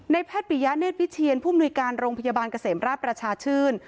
ในแพทย์ปริญญาเนธวิทย์เชียร์ผู้มนุยการโรงพยาบาลเกษมราชประชาชื่น